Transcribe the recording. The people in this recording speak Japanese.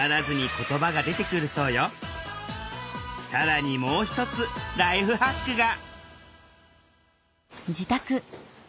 更にもう一つライフハックが。